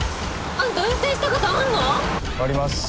あんた運転したことあんの⁉あります！